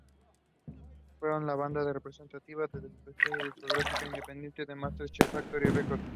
Fueron la banda representativa de la desaparecida discográfica independiente de Manchester, Factory Records.